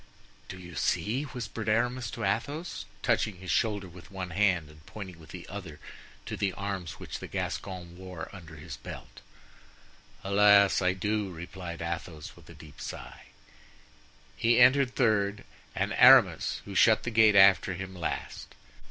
"Do you see?" whispered Aramis to Athos, touching his shoulder with one hand and pointing with the other to the arms which the Gascon wore under his belt. "Alas! I do!" replied Athos, with a deep sigh. He entered third, and Aramis, who shut the gate after him, last.